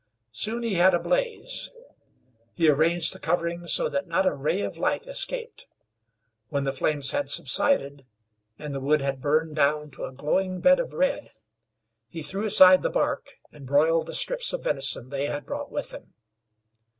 Soon he had a blaze. He arranged the covering so that not a ray of light escaped. When the flames had subsided, and the wood had burned down to a glowing bed of red, he threw aside the bark, and broiled the strips of venison they had brought with them.